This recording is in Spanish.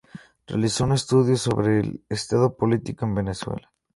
Realizó un estudio sobre el estado político en Venezuela.